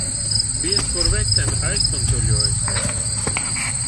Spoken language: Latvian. Diez kur vecene aiztuntuļojusies.